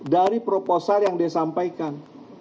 dari proposal yang dia sampaikan